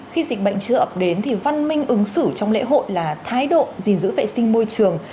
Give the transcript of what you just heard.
khi dịch bệnh chưa ập đến thì văn minh ứng xử trong lễ hội là thái độ gìn giữ vệ sinh môi trường